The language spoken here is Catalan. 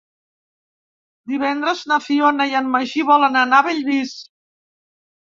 Divendres na Fiona i en Magí volen anar a Bellvís.